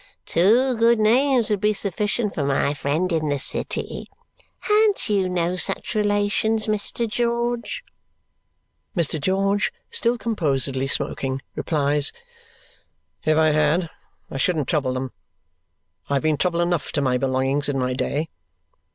Two good names would be sufficient for my friend in the city. Ha'n't you no such relations, Mr. George?" Mr. George, still composedly smoking, replies, "If I had, I shouldn't trouble them. I have been trouble enough to my belongings in my day.